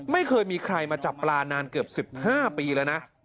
ไม่เคยมีใครมาจับปลานานเกือบ๑๕ปีแล้วนะ